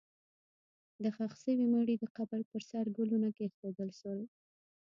د ښخ شوي مړي د قبر پر سر ګلونه کېښودل شول.